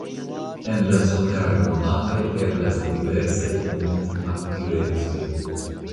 En la someraj monatoj eblas diversaj montaktivecoj.